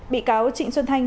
bị cáo trịnh xuân thanh